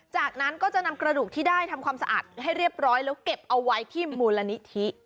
จากนั้นก็จะนำกระดูกที่ได้ทำความสะอาดให้เรียบร้อยแล้วเก็บเอาไว้ที่มูลนิธิ